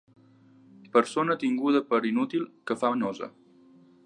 Persona tinguda per inútil, que fa nosa.